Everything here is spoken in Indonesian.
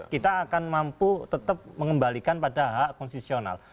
kita akan mampu tetap mengembalikan pada hak konstitusional